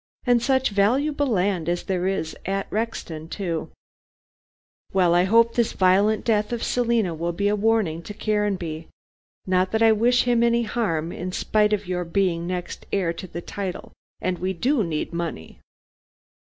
And such valuable land as there is at Rexton too. Well, I hope this violent death of Selina will be a warning to Caranby. Not that I wish him any harm, in spite of your being next heir to the title, and we do need money."